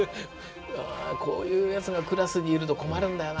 こういうやつがクラスにいると困るんだよな。